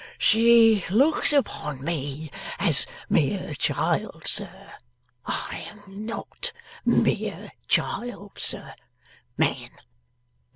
'She looks upon me as mere child, sir. I am NOT mere child, sir. Man.